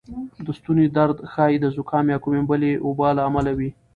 د ستونې درد ښایې د زکام یا کومې بلې وبا له امله وې